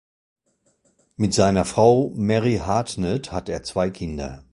Mit seiner Frau Mary Hartnett hat er zwei Kinder.